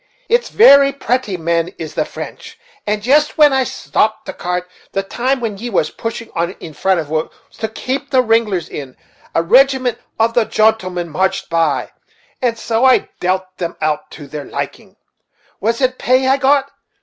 It's varry pratty men is the French; and jist when I stopt the cart, the time when ye was pushing on in front it was, to kape the riglers in, a rigiment of the jontlemen marched by, and so I dealt them out to their liking. Was it pay I got?